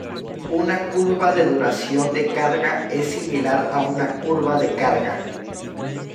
Una curva de duración de carga es similar a una curva de carga.